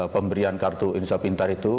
pemberian kartu indonesia pintar itu